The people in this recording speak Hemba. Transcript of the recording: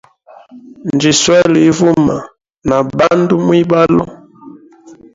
Njiswele ivuma na bandu mwibalo.